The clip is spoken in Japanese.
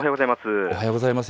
おはようございます。